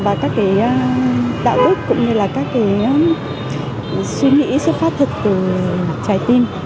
các cái tạo ước cũng như là các cái suy nghĩ xuất phát thật từ trái tim